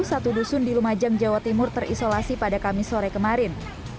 satu dusun di lumajang jawa timur terisolasi pada kamis sore kemarin